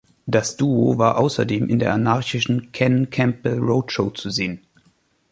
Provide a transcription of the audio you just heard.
Das Duo war außerdem in der anarchischen Ken Campbell Road Show zu sehen.